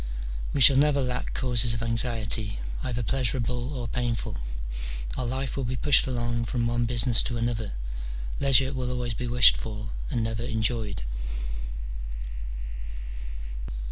We shall never lack causes of anxiety, either pleasurable or painful : our life will be pushed along from one business to another: leisure will always be wished for, and never enjoyed.